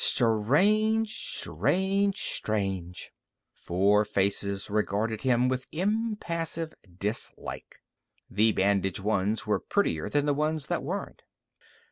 Strange! Strange! Strange!" Four faces regarded him with impassive dislike. The bandaged ones were prettier than the ones that weren't.